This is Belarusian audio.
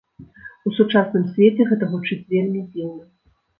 У сучасным свеце гэта гучыць вельмі дзіўна.